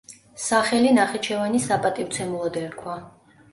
სახელი ნახიჩევანის საპატივცემულოდ ერქვა.